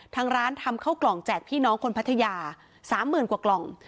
ทางร้านทำเข้ากล่องแจกพี่น้องคนพัทยา๓๐๐๐กว่ากล่อง